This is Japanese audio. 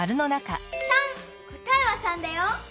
こたえは３だよ。